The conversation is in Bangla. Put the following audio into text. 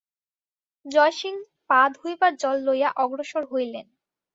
জয়সিংহ পা ধুইবার জল লইয়া অগ্রসর হইলেন।